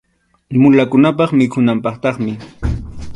Mulakunap mikhunanpaqtaqmi.